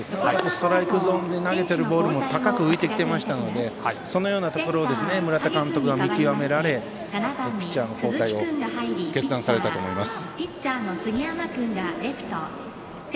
ストライクゾーンに投げてるボールも高く浮いてきてましたのでそのようなところを村田監督は見極められピッチャーの交代を決断されたと思います。